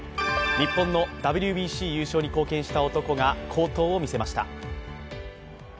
日本のＷＢＣ優勝に貢献した男が好投を見せました。